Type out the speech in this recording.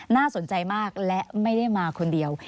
น่าสนใจมากและไม่ได้มาคนเดียว